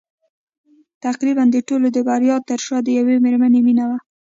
تقريباً د ټولو د برياوو تر شا د يوې مېرمنې مينه وه.